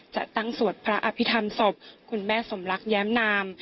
จะตั้งสวดพระอภิษฐรรมศพคุณแม่สมรักแย้มนาม